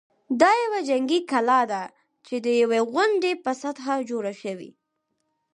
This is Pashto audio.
دا یوه جنګي کلا ده چې د یوې غونډۍ په سطحه جوړه شوې.